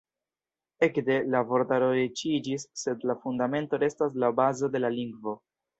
Ekde, la vortaro riĉiĝis sed la Fundamento restas la bazo de la lingvo.